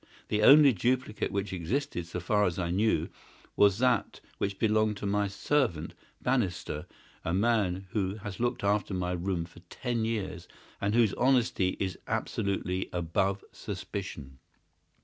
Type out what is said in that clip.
The only duplicate which existed, so far as I knew, was that which belonged to my servant, Bannister, a man who has looked after my room for ten years, and whose honesty is absolutely above suspicion.